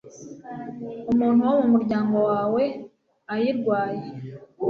umuntu wo mu muryango wawe ayirwaye